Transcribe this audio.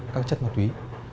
các chất ma túy